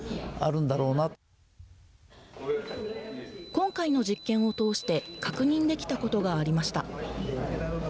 今回の実験を通して確認できたことがありました。